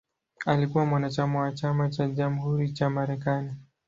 Alikuwa mwanachama wa Chama cha Jamhuri cha Marekani.